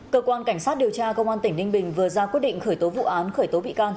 cơ quan cảnh sát điều tra công an tỉnh ninh bình vừa ra quyết định khởi tố vụ án khởi tố bị can